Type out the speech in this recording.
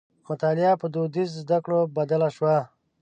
مطالعه په دودیزو زدکړو بدله شوه.